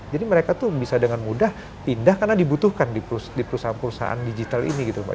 jadi mereka tuh bisa dengan mudah pindah karena dibutuhkan di perusahaan perusahaan digital ini gitu mbak